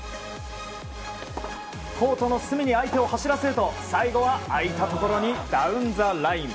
コートの隅に相手を走らせると最後は空いたところにダウンザライン。